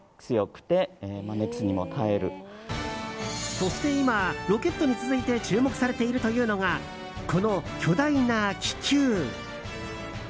そして今、ロケットに続いて注目されているというのがこの巨大な気球。